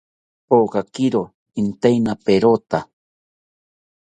Pokakiro intaina perota